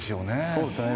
そうですね。